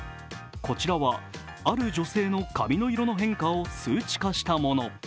こちらは、ある女性の髪の色の変化を数値化したもの。